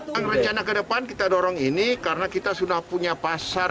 yang rencana ke depan kita dorong ini karena kita sudah punya pasar